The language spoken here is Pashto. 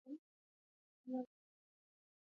ستوني غرونه د افغانستان د طبیعي پدیدو یو رنګ دی.